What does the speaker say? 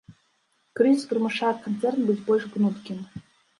Крызіс прымушае канцэрн быць больш гнуткім.